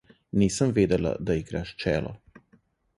Nisem vedela, da igraš čelo.